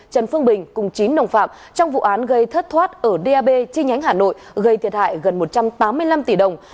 trần phương bình cùng chín đồng phạm trong vụ án gây thất thoát ở dap chi nhánh hà nội gây thiệt hại gần một trăm tám mươi năm tỷ đồng